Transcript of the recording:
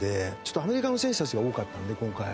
アメリカの選手たちが多かったんで今回。